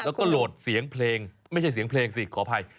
แล้วก็โหลดเสียงเพลงไม่ใช่เสียงเพลงสิขออภัย